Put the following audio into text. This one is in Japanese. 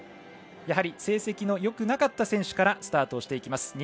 やはり成績のよくなかった選手からスタートしていきます。